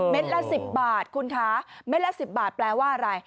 ละ๑๐บาทคุณคะเม็ดละ๑๐บาทแปลว่าอะไร